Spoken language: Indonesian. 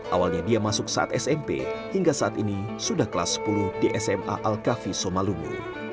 awalnya dia masuk saat smp hingga saat ini sudah kelas sepuluh di sma al kafi somalungu